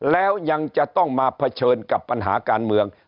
แล้วยังจะต้องมาเผชิญกับปัญหาการเมือง